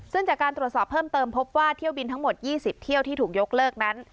ซึ่งจากการตรวจสอบเพิ่มเติมพบว่าเที่ยวบินทั้งหมด๒๐เที่ยวที่ถูกยกเลิกนั้น